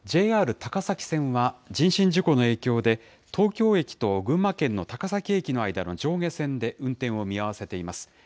ＪＲ高崎線は人身事故の影響で、東京駅と群馬県の高崎駅の間の上下線で運転を見合わせています。